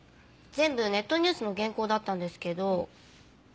全部ネットニュースの原稿だったんですけどここ。